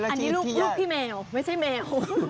อันนี้ลูกพี่แมวไม่ใช่แมว